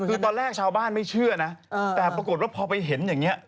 คือตอนแรกชาวบ้านไม่เชื่อนะแต่ปรากฏว่าพอไปเห็นอย่างนี้